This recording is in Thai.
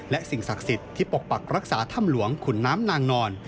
และสิ่งศักดิ์สิทธิ์ที่ปกปักรักษาถ้ำหลวงขุนน้ำนางนอน